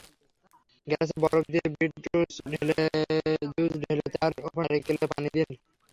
গ্লাসে বরফ দিয়ে বিটরুট জুস ঢেলে তার ওপর নারিকেলের পানি দিন।